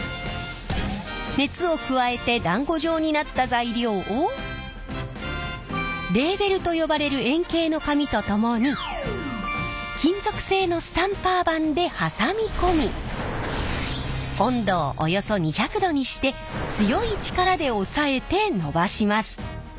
熱を加えてだんご状になった材料をレーベルと呼ばれる円形の紙と共に金属製のスタンパー盤で挟み込み温度をおよそ２００℃にして強い力で押さえて伸ばします。